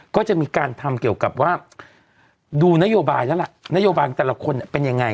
ก็จะมีการทำเกี่ยวกับว่าดูนโยบายแล้วล่ะนโยบายแต่ละคนเป็นยังไง